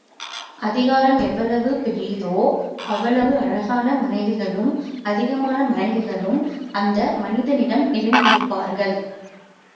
அதிகாரம் எவ்வளவு பெரிதோ, அவ்வளவு அழகான மனைவிகளும் அதிகமான மனைவிகளும் அந்த மனிதனிடம் நிறைந்திருப்பார்கள்!